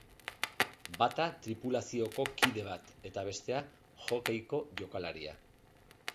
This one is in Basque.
Bata tripulazioko kide bat eta bestea hockeyko jokalaria.